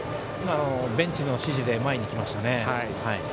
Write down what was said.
ベンチの指示で前に来ましたね。